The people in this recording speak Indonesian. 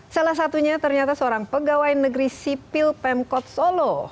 salah satunya ternyata seorang pegawai negeri sipil pemkot solo